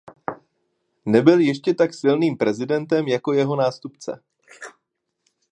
Nebyl ještě tak silným prezidentem jako jeho nástupce.